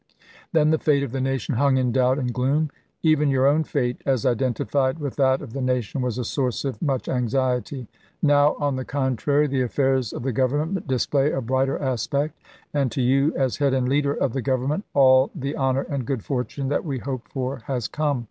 Then the fate of the nation hung in doubt and gloom ; even your own fate, as identified with [that of] the nation, was a source of much anxiety. Now, on the con trary, the affairs of the Government display a brighter aspect ; and to you, as head and leader of the Government, all the honor and good fortune that we hoped for has come.